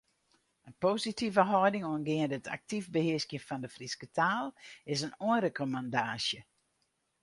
In positive hâlding oangeande it aktyf behearskjen fan de Fryske taal is in oanrekommandaasje.